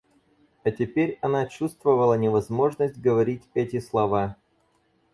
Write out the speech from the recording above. А теперь она чувствовала невозможность говорить эти слова.